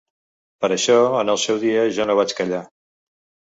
Per això, en el seu dia jo no vaig callar.